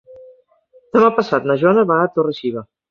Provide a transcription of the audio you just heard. Demà passat na Joana va a Torre-xiva.